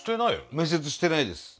面接してないです。